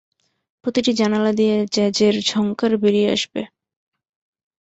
প্রতিটি জানালা দিয়ে জ্যাজের ঝংকার বেরিয়ে আসবে!